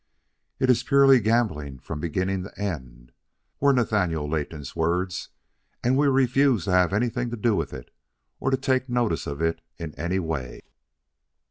"It is purely gambling from beginning to end," were Nathaniel Letton's words; "and we refuse to have anything to do with it or to take notice of it in any way."